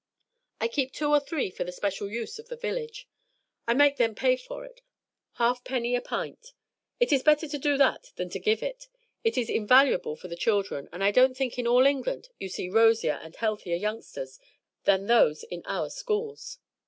I keep two or three for the special use of the village. I make them pay for it, halfpenny a pint; it is better to do that than to give it. It is invaluable for the children; and I don't think in all England you see rosier and healthier youngsters than those in our schools.